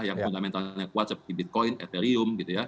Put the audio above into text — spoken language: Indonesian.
yang fundamentalnya kuat seperti bitcoin ethereum